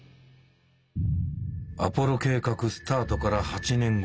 アポロ計画スタートから８年後。